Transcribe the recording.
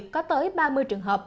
có tới ba mươi trường hợp